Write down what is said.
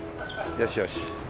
よしよし。